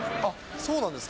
そうなんですか？